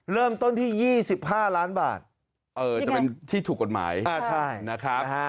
เริ่มต้นที่๒๕ล้านบาทจะเป็นที่ถูกกฎหมายนะครับ